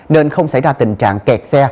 nên không xảy ra tình trạng kẹt xe